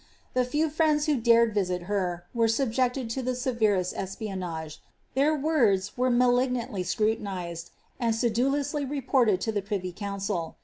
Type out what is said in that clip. The few friends who dared visit her, were subjected to the severest e*pionflge, their words were malignantly scrutinized, and sedulously teporled to the privy council.